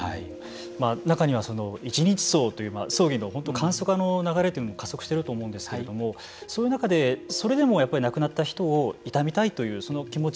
中には、一日葬という葬儀の簡素化の流れというのも加速していると思うんですけれどもそういう中でそれでも亡くなった人を悼みたいというその気持ち